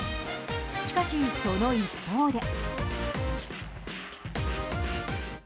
しかし、その一方で。